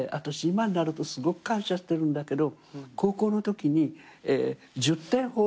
今になるとすごく感謝してるんだけど高校のときに１０点法だったのね。